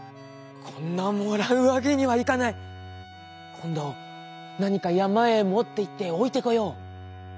こんなもらうわけにはいかないこんどなにかやまへもっていっておいてこよう。